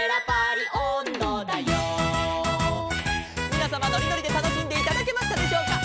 「みなさまのりのりでたのしんでいただけましたでしょうか」